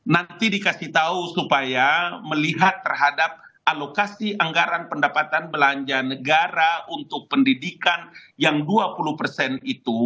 nanti dikasih tahu supaya melihat terhadap alokasi anggaran pendapatan belanja negara untuk pendidikan yang dua puluh persen itu